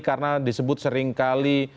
karena disebut seringkali